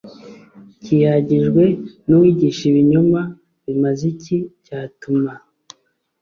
kiyagijwe n uwigisha ibinyoma bimaze iki byatuma